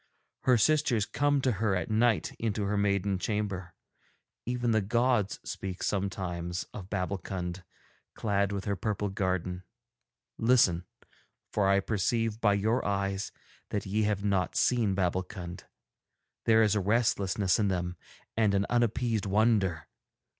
Her sisters come to her at night into her maiden chamber. Even the gods speak sometimes of Babbulkund, clad with her purple garden. Listen, for I perceive by your eyes that ye have not seen Babbulkund; there is a restlessness in them and an unappeased wonder.